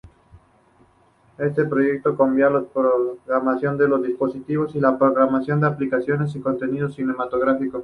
Este proyecto combina la programación de dispositivos, la programación de aplicaciones y contenido cinematográfico.